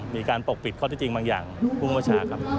มีการปกปิดข้อเท็จจริงบางอย่างผู้ประชาครับ